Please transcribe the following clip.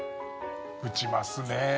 打ちますねえ。